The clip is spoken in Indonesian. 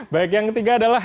baik yang ketiga adalah